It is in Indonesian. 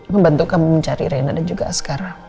membantu kamu mencari rena dan juga raskara